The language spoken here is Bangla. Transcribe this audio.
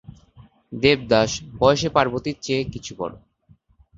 দেবদাস বয়সে পার্বতীর চেয়ে কিছু বড়ো।